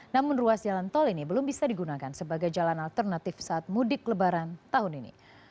namun ruas jalan tol ini belum bisa digunakan sebagai jalan alternatif saat mudik lebaran tahun ini